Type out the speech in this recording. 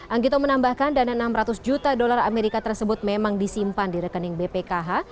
anggito menambahkan dana enam ratus juta dolar amerika tersebut memang disimpan di rekening bpkh